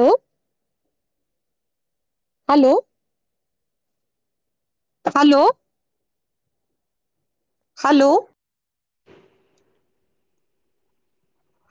हो hello hello hello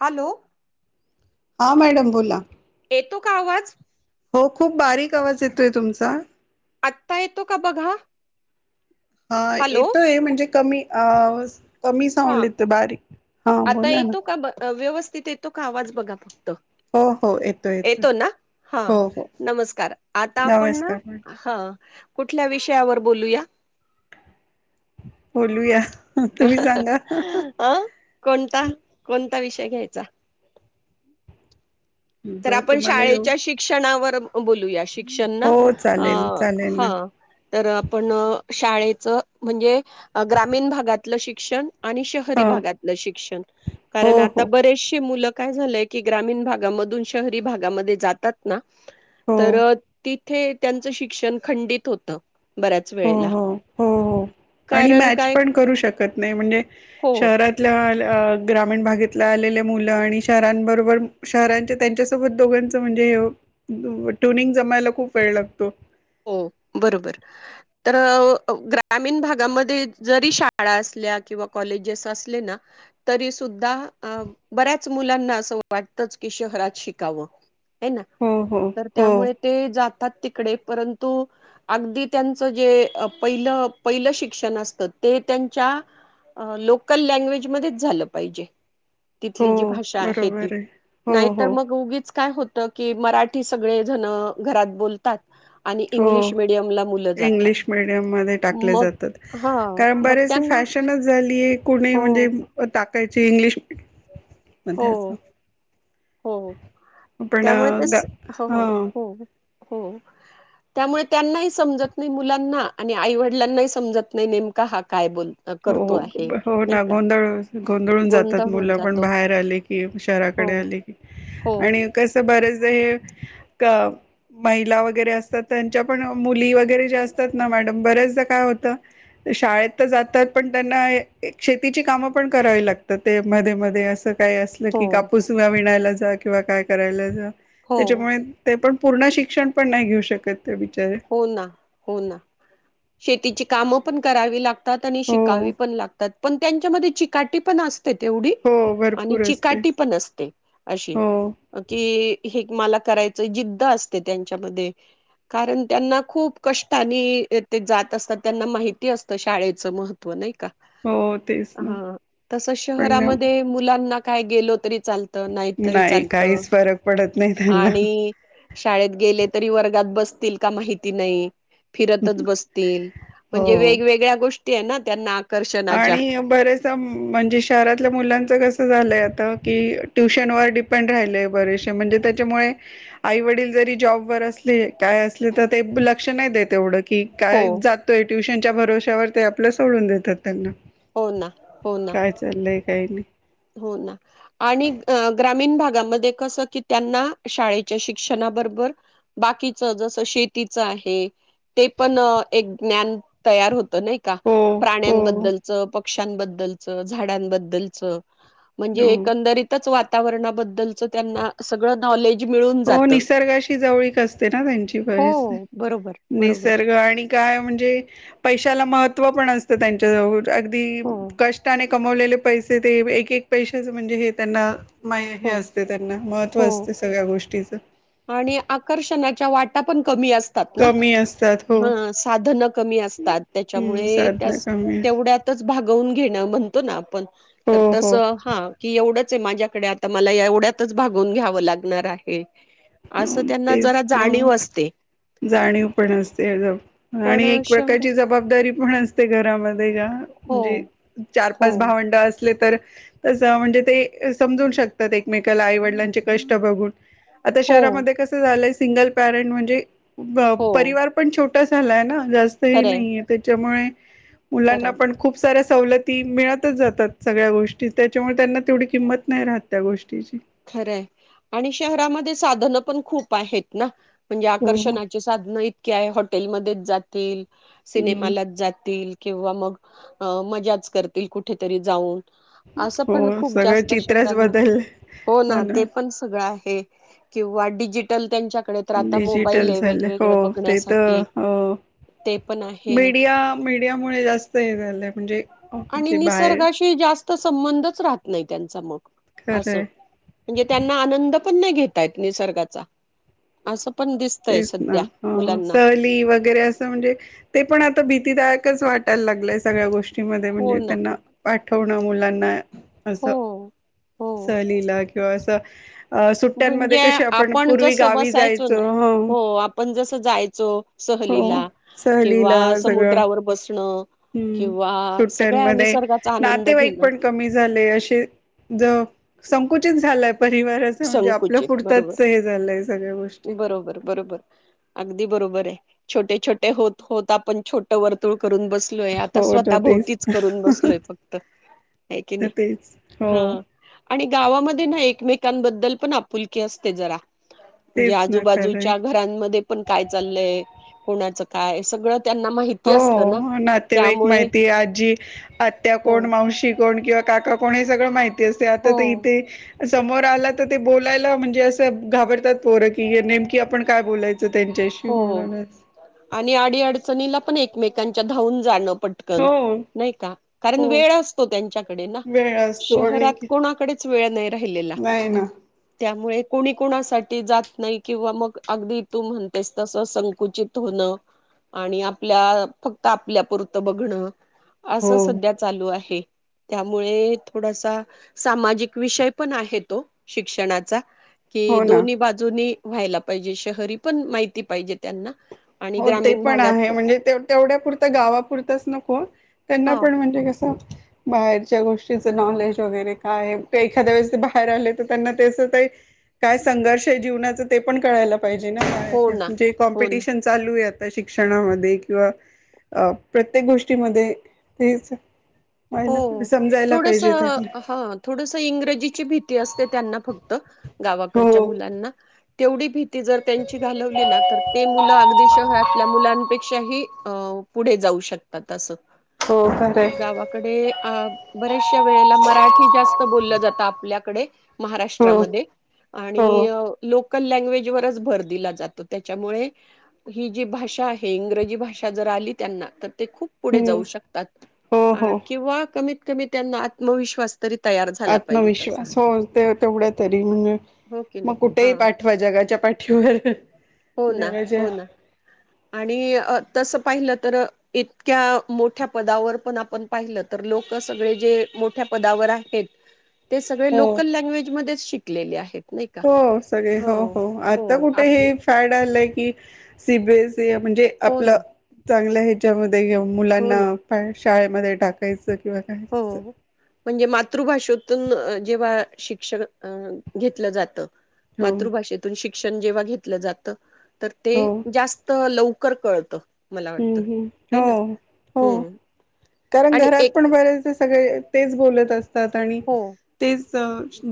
hello हां madam बोला येतो का आवाज हो खूप बारीक आवाज येतोय तुमचा आत्ता येतो का बघा हा हॅलो येतोय म्हणजे कमी अ कमी हा साऊंड येतो बारीक हा आता बोला ना येतो का व्यवस्थित येतो का आवाज बघा फक्त हो हो येतोय येतोय येतो ना हा हो हो नमस्कार आता आपण नमस्कार मॅडम हा कुठल्या विषयावर बोलूया बोलूया तुम्ही सांगा अ कोणता कोणता विषय घ्यायचा तर जो आपण तुम्हाला येऊ शाळेच्या शिक्षणावर बोलूया शिक शिक्षण ना हो आ चालेल चालेल ना हा तर आपण शाळेच म्हणजे ग्रामीण भागातलं शिक्षण आणि शहरी शहरी ह भागातल्या शिक्षण हो कारण आता हो बरीचशी मुलं काय झाले की ग्रामीण भागामधून शहरी भागामध्ये जातात ना हो तर ती ते त्यांचं शिक्षण खंडित होतं. बऱ्याच हो वेळेला हो हो हो आणि कारण मॅच काय पण करू शकत नाही म्हणजे हो शहरात ग्रामीण भागेतल्या आलेल्या मुलं आणि शहरांबरोबर शहरांच्या त्यांच्यासोबत दोघांच म्हणजे ट्युनिंग जमायला खूप वेळ लागतो. हो बरोबर तर ग्रामीण भागामध्ये जरी शाळा असल्या किंवा कॉलेजेस असले ना तरी सुद्धा बऱ्याच मुलांना असं वाटतंच की शहरात शिकावं. ह ना हो हो तर हो त्यामुळे ते जातात तिकडे परंतु अगदी त्यांचं जे पहिलं पहिलं शिक्षण असतं ते त्यांच्या लोकल लँग्वेजमध्येध्येच झालं पाहिजे. तिथली हो जी भाषा आहे ती बरोबर हो नाहीतर हो मग उगीच काय होत. की मराठी सगळे जण घरात बोलतात. आणि हो इंग्लिश मिडियमला मुलं जातात. इंग्लिश मिडियम मध्ये टाकले मग जातात हा कारण मग बरेसे फॅश त्यांना फॅशनच झालीय कुणी हो म्हणजे टाकायचे इंग्लिश मच हो हो आपण त्यामुळे ग तेच हो हो हा हो हो त्यामुळे त्यांनाही समजत नाही मुलांना आणि आईवडिलांनाही समजत नाही नेमका हा काय बोल हो करतो आहे हो हो नाही ना का गोंदळ गोंधळून जातात गोंधळ होऊन मुलं पण जातो बाहेर आले की हो शहराकडे आले की हो आणि कस बरेच महिला वगैरे असतात त्यांच्या पण मुली व वर असात मॅडम बरेचदा काय होत शळेत जातात पण त्यांना शेतीची कामं पण करावी लागत ते मध्ये मध्ये असं काय असलं हो की कापूस तुया विनायला जा किंवा काय करायला जा हो त्याच्यामुळे ते पण पूर्ण शिक्षण पण नाही घेऊ शकत ते बिचारे हो ना हो ना शेतीची कामं पण करावी लागते. आणि हो शिकावी पण लागतात पण त्यांच्यामध्ये चिकाटी पण असते. तेवढी हो आणि भरपूर असते चिकाटी पण असते अशी हो की हे मला करायचं जिद्द असते त्यांच्यामध्ये कारण त्यांना खूप कष्टानी ते जात असतात त्यांना माहिती असतं शाळेचं महत्व नाही का हो तेच ना ह तस पण शहरामध्ये मुलांना काय गेलो तरी चालत नाही तरी चालत काहीच फरक पडत नाही त्यांना आणि शाळेत गेले तरी वर्गात बसतील का माहिती नाही फिरतच बसतील म्हणजे हो. वेगवेगळ्या गोष्टी आहे ना त्या नाक आणि बरेच म्हणज शहरातल्या मुलांच कस झालंय आता क ट्यशन पण राहिलेय बरेसे म्हणजे त्याच्यामुळे आई वडील जरी जॉबवरर असले काय असले तर ते लक्ष नाही द तेवढं कि काय हो. जातोय ट्युशनच्या भरोश्यावर ते आपल्या सोडून देतात त्यांना हो ना हो ना काय चाललंय काही नाही हो ना आणि ग्रामीण भागामध्ये कसं की त्यांना शाळेच्या शिक्षणाबरोबर बाकीच जस शेतीच आहे ते पण एक ज्ञान तयार होत नाही का हो हो प्राण्यांबद्दल पक्षांबद्दलच झाडांबद्दलचं म्हणजे हो एकंदरीत म्हणजे च वातावरणाबद्दलच त्यांना सगळं नॉलेज मिळून हो जातं. निसर्गाशी जवळीक असते ना त्यांची बरीच हो, बरोबर, बरोबर. निसर्ग आणि काय म्हणजे पैशाला महत्त्व पण असतं त्यांच्याजवळ अगदी हो, कष्टाने कमवलेले पैसे ते एक एक पैशाच म्हणजे हे त्यांना मा हे हो, असते त्यांना महत्त्व हो. असते सगळ्या गोष्टीचं आणि आकर्षणाच्या वाटा पण कमी असत कमी असतात हो ध क असतात हम्म साधना कमी त्यामुळेव भागवून घेणं म्हणतो ना आपण हो तर हो तसं हा की एवढंच आहे माझ्याकडे तर मला एवढ्यातच भागून घ्यावं लागणार आहे असं हो त्यांना तेच जरा हो जाणीव असते जाणीव पण असते पण आणि अ, एक शहर प्रकारची ज जबाबदारी पण असते घरामध्ये का हो, म्हणजे चार हो, पाच भावंड असले तर तसं म्हणजे ते समजून शकतात एकमेकाला आईवडिलांचे कष्ट बघून आता हो, शहरामध्ये कसं झालंय सिंगल पॅरंट म्हणजे हो. परिवार पण छोटा झालाय ना जास्त ह खरंय, नाहीे त्याच्यामुळे खरंय. मुलांना पण खूप साऱ्या सवलती मिळतच जातात सगळ्या गोष्टी त्याच्यामुळे त्यांना तेवढी किंमत नाही राहत त्या गोष्टीची खरं आणि शहरामध्ये साधन पण खूप आहेत ना म्हणजे हो हो आकर्षणाचे साधन इतक्या आहे हॉटेलमध्येच जातील सिनेमालाच जातील किंवा मग मजाच करतील कुठेतरी जाऊन असं पण हो जा सगळं शहर चित्रच बदललंय हो पण क डच्या डिजिटल झालं हो ते तर ते पण आहे मीडिया मीडिया मु जास्त हे झालंय म्हणजे जे बाहेर तर संबंधच राहत नाही त्यांचा मग असं खरंय म्हणजे त्यांना आनंद पण नाही घेतायेत निसर्गाचा असं पण दिसतय सध्या मुलांना र म्हण पण आ भीयच वाटायला लागय सग्या गो म हो म्हणजे ना त्यांना पाठवणं मुलांना हो असं हो सलीला किंवा असं अ सुट्ट्यांमध्ये म्हणजे कशी आपण पूर्वी जसं गावी बसायचो ना जायचं हो आपण जसं जायचो हो सहलीला किंवा सहलीला सगळं समुद्रावर बसणं हम्म किंवा सगळ्या निसर्गाचा आनंद घेणं क झा संकुचित झा परिवाराच म्हणजे आपल्या संकुचित बरोबर पुरतच हे झालंय सगळ्या गोष्टी बरोबर बरोबर अगदी बरोबर आहे छोटे छोटे होत होत आपण छोट वर्तुळ करून बसलो य आ हो ना स्वतः तेच भोवतीच करून बसलोय ना फक्त की तेच नाही हा हो आणि गावामध्ये ना एकमेकांबद्दल पण आपुलकी असते जरा म्हणजे तेच ना खरंय आजूबाजूच्या घरांमध्ये पण काय चाललय कोणाचं काय सगळं त्यांना माहिित हो नातेवाईक माहिती आजी आत्या हो कोण मावशी कोण किंवा काका कोणी सगळं माहिती असते आता हो ते इथे समोर आला तर ते बोलायला म्हणजे असं घाबरतात पोरं की नेमकी आपण काय बोलायचं त्यांच्या हो आणि अडी अडचणीला पण एकमेकांच्या धावून जाणं पड टकन हो नाही का कारण हो वेळ असतो त्यांच्याकडे ना वेळ असतो आणि शहरात कोणाकडेच वेळ नाही राहिलेला नाही ना त्यामुळे कोणी कोणासाठी जात नाही किंवा मग अगदी तू म्हण तेच तस संकुचित होणं आणि आपल्या फक्त आपल्यापुरतं बघणं हो असं सध्या चालू आहे त्यामुळे थोडासा सामाजिक विषय पण आहे तो शिक्षणाचा कि हो ना दोन्ही बाजूननी व्हायला पाहिजे शहरी पण माहिती पाहिजे त्यांना आणि हो ते ग्रामीण पण भागात आहे म्हणजे ते तेवढ्यापुरत गावापुरताच नको त्यांना हा पण म्हणजे कस बाहेरच्या गोष्टीचं नॉलेज वगैरे काय आहे ते एखाद्या वेळेस ते बाहेर आले तर त्यांना तेस काही काय संघर्ष जीवच पण कयला पाहिजे हो ना हो ना चालू आहे आता शिक्षणामध्ये किंवा अ प्रत्येक गोष्टीमध्ये तेच ला हो. समजायला थोडस पाहिजेत त्या हा थोडस इंग्रजीची भीती असते त्यांना फक्त हो गावाकडच्या मुलांना तेवढी भी ती जर त्यांची घालवली ना तर ते मुलं अगदी शहरातल्या मुलांपेक्षाही अ पुढे जाऊ शकतात अस हो खरंय गावा डे बऱ्याचशा वेळेला मराठी जास्त बोललं जातं आपल्याकडे हो महाराष्ट्रामध्ये आणि हो लोकल लँग्वेजवरच भर दिला जातो त्याच्यामुळे ही जी भाषा आहे इंग्रजी भाषा जर आली त्यांना तर ते खूप पुढे जाऊ हम्म शकतात हो हो किंवा कमीत कमी त्यांना आत्मविश्वास तरी तयार झाला पाहिजे तसा आत्मविश्वास हो ते तेवढ्या तरी म्हणजे हो की मग नाही हा कुठेही पाठ जगाच्या पाठीवर हो ना जगाच्या हो ना आणि तसं पाहिलं तर इतक्या मोठ्या पदावर पण आपण पाहिलं तर लोक सगळे जे मोठ्या पदावर आहेत ते सगळे हो लोकल लँग्वेज मच शिकलेले आहेत नाही का हो सगळे हो हो आता कुठे हे काय लाय की सीबीस म्हणजे हो आपलं ना चांगलं ह्याच्यामध्ये घेऊन हो मुलांना ना पाय शाळेमध्ये टाकायचं किंवा कायचं हो म्हणजे मातृभाषेतून जेव्हा शिक्षण घेतलं जातं हो मातृभाषेतून शिक्षण जेव्हा घेतलं जात तर ते हो जास्त तर लवकर कळत हम् ह् हो हो हम्म कारण आणि घरात एक पण बरेच सगळे तेच बोलत असतात आणि हो तेच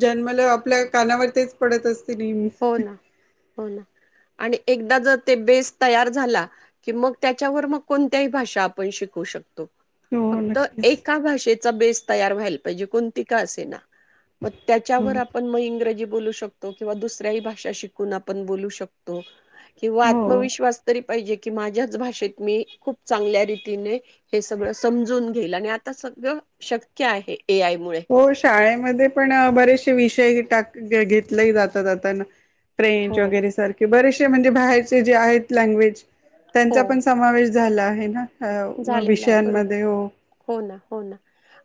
जन्मला आपल्या कानावर तेच पडत असते नेहमी हो ना हो ना आणि एकदा जर ते बेस तयार झाला कि मग त्याच्यावर मग कोणत्याही भाषा आपण शिकू शकतो हो फक्त नक्कीच एका भाषेचा बेस तयार व्हायल पाहिजे कोणती का असे ना मग हो त्याच्यावर आपण मग इंग्रजी बोलू शकतो किंवा दुस [unintelligible] भाषा शिकून बोलू शकतो किंवा हो आत्मविश्वास तरी पाहिजे की माझ्याच भाषेत मी खूप चांगल्या रीतीने हे सगळं समजून घेईल आणि आता सगळं शक्य आहे ए आय मुळे हो शाळेमध्ये पण बरेशे विषय हे टाक-घेतलेही -जात जातना फ्रेंच हो वगैरे सारखे बरेशे म्हणजे बाहेरचे जे आहेत लँग्वेज त्यांचा हो पण समावेश झालं आहे झालेलं आहे बरोबर. ना-विषयांमध्ये हो हो ना हो ना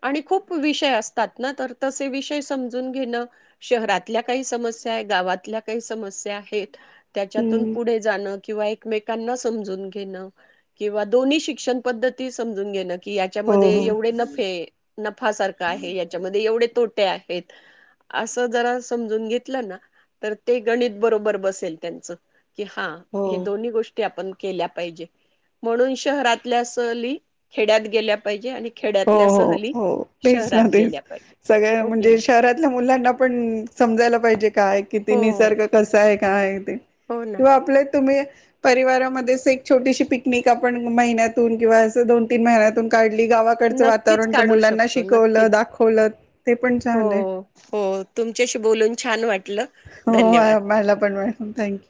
आणि खूप विषय असतात ना तर तसे विषय समजून घेणं शहरातल्या काही समस्याय गावातल्या काही समस्या आहेत त्याच्यातून हम्म पुढे जाणं किंवा एकमेकांना समजून घेणं किंवा दोन्ही शिक्षण पद्धती समजून घेण की हो याच्यामध्ये हो एवढे [inaudible] हे नफासारखं आहे याच्यामध्ये एवडे तोटे आहेत असं जरा समजून घेतलं ना तर ते गणित बरोबर बसेल त्यांचं कि हा हे हो दोन्ही गोष्टी आपण केल्या पाहिजे म्हणून शहरात [unintelligible] सली खेड्यात गेल्या पाहिजे आणि हो खेड्यातल्या हो सहली हो तेच न शहरात तेच गेल्या पाहिजे सगळ्या हो की म्हणजे नाही. शहरातल्या मुलांना पण समजायला पाहिजे काय किती हो निसर्ग कसा आहे काय ते हो ना. किंवा आपले तुम्ही परिवारामध्ये एक छोटीशी पिकनिक आपण महिन्यातून किंवा अस दोन तीन महिन्यातून काढली गावाात नक्कीच वातावरण तर काढू मुलांना शकतो शिकवलं नक्कीच दाखवलं ते पण हो छान आहे हो तुमच्याशी बोलून छान वाटलं हो धन्यवाद. पाहिला पण मॅडम थँक्यू